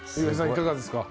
いかがですか？